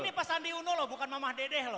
ini pak sandi uno loh bukan mama dedeh loh